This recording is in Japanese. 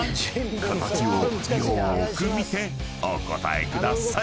［形をよーく見てお答えください］